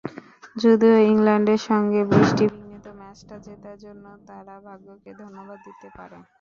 যদিও ইংল্যান্ডের সঙ্গে বৃষ্টিবিঘ্নিত ম্যাচটা জেতার জন্য তারা ভাগ্যকে ধন্যবাদ দিতে পারে।